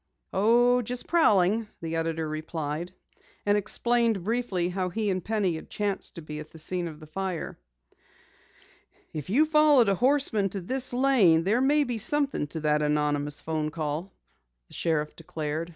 "Oh, just prowling," the editor replied, and explained briefly how he and Penny had chanced to be at the scene of the fire. "If you followed a horseman to this lane there may be something to that anonymous telephone call," the sheriff declared.